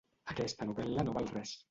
Aquesta novel·la no val res.